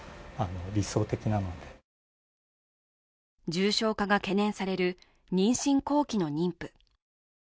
重症化が懸念される妊娠後期の妊婦。